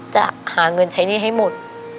จะหาเงินใช้หนี้ให้หมด